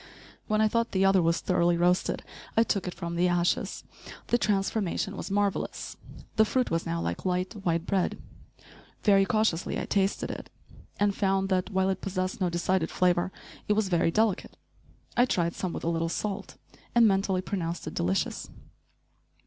When I thought the other was thoroughly roasted, I took it from the ashes. The transformation was marvelous. The fruit was now like light, white bread. Very cautiously I tasted it, and found that, while it possessed no decided flavor, it was very delicate. I tried some with a little salt, and mentally pronounced it delicious.